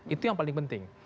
itu yang paling penting